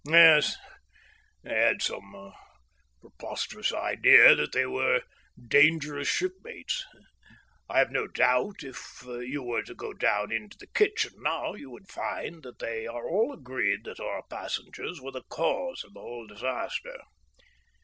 "Yes, they had some preposterous idea that they were dangerous shipmates. I have no doubt if you were to go down into the kitchen now you would find that they are all agreed that our passengers were the cause of the whole disaster."